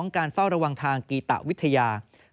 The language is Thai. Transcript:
การเฝ้าระวังทางกีตะวิทยา